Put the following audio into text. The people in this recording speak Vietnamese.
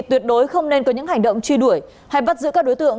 tuyệt đối không nên có những hành động truy đuổi hay bắt giữ các đối tượng